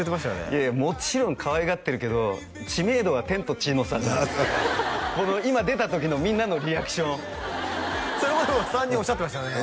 いやいやもちろんかわいがってるけど知名度は天と地の差じゃんこの今出た時のみんなのリアクションそれはでも３人おっしゃってましたよね